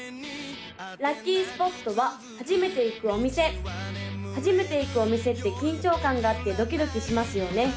・ラッキースポットは初めて行くお店初めて行くお店って緊張感があってドキドキしますよね